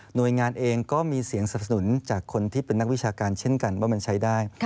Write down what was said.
หรือเป็นนักวิชาการเช่นกันว่ามันใช้ได้